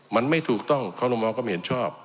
มันไม่ถูกต้องคอรมอลก็ไม่เห็นชอบ